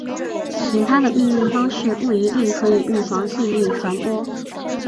其他的避孕方式不一定可以预防性病传播。